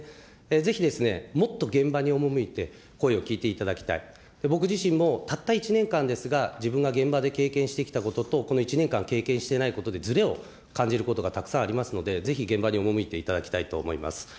ぜひもっと現場に赴いて声を聞いていただきたい、僕自身もたった１年間ですが、自分が現場で経験してきたことと、この１年間経験していないことでずれを感じることがたくさんありますので、ぜひ現場に赴いていただきたいと思います。